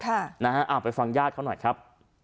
เอาไปฟังญาติเขาหน่อยครับ